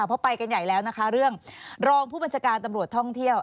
เพราะไปกันใหญ่แล้วนะคะเรื่องรองผู้บัญชาการตำรวจท่องเที่ยว